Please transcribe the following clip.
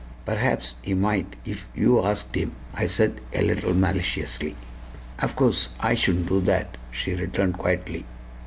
"Perhaps he might if YOU asked him," I said a little maliciously. "Of course I shouldn't do that," she returned quietly.